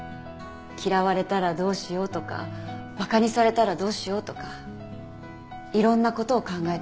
嫌われたらどうしようとかバカにされたらどうしようとかいろんなことを考えて。